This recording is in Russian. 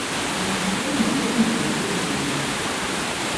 Он никогда ни о ком не говорил дурно.